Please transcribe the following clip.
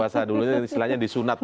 saya dulu istilahnya disunat